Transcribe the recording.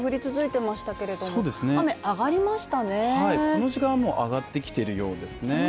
この時間はもう上がってきているようですね。